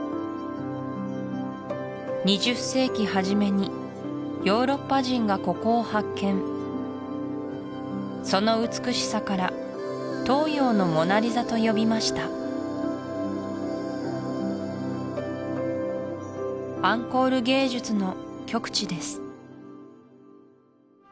２０世紀初めにヨーロッパ人がここを発見その美しさから東洋のモナリザと呼びましたアンコール芸術の極致です